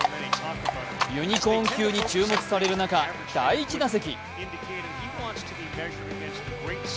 ユニコーン級に注目される中、第１打席。